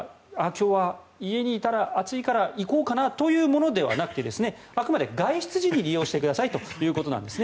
今日は家にいたら暑いから行こうかなというものではなくあくまで外出時に利用してくださいということです